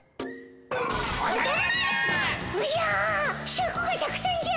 シャクがたくさんじゃ。